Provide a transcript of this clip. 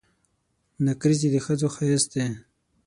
نکریزي د ښځو ښایست دي.